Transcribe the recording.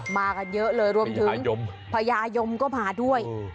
มากันเยอะเลยรวมถึงพญายมก็มาด้วย